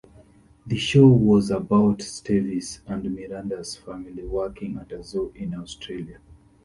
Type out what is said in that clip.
The show was about Stevie's and Miranda's family working at a zoo in Australia.